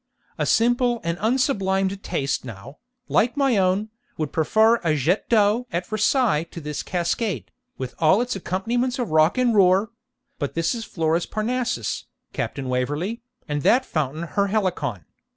A simple and unsublimed taste now, like my own, would prefer a jet d'eau at Versailles to this cascade, with all its accompaniments of rock and roar; but this is Flora's Parnassus, Captain Waverley, and that fountain her Helicon.